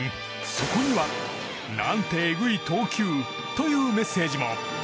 そこには、何てえぐい投球！というメッセージも。